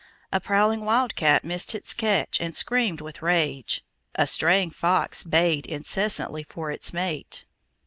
A prowling wildcat missed its catch and screamed with rage. A straying fox bayed incessantly for its mate.